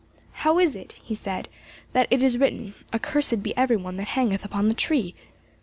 "How is it," he said, "that it is written, 'Accursed be every one that hangeth upon the tree?